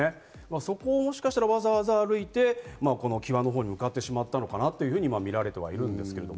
そこをもしかしたらわざわざ歩いて、際のほうに向かってしまったのかなと見られてはいるんですが。